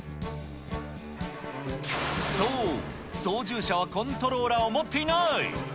そう、操縦者はコントローラーを持っていない！